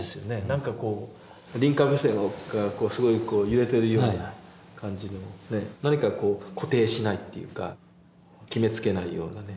なんかこう輪郭線がすごい揺れてるような感じの何かこう固定しないっていうか決めつけないようなね。